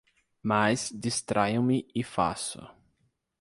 Mas distraio-me e faço.